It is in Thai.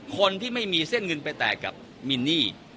คนที่ไม่มีเส้นเงินไปแตกกับมินนี่